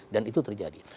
dan itu terjadi